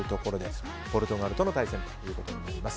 ポルトガルとの対戦となります。